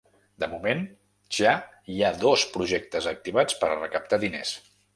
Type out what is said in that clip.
De moment, ja hi ha dos projectes activats per a recaptar diners.